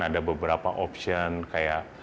ada beberapa opsiun kayak